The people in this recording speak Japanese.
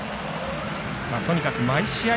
とにかく毎試合